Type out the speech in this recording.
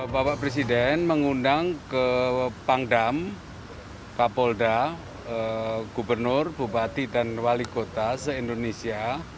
bapak presiden mengundang ke pangdam kapolda gubernur bupati dan wali kota se indonesia